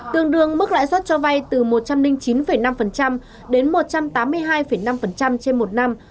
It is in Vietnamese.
tương đương mức lãi suất cho vay từ một trăm linh chín năm đến một trăm tám mươi hai năm trên một năm